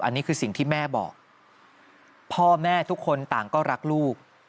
อันนี้คือสิ่งที่แม่บอกพ่อแม่ทุกคนต่างก็รักลูก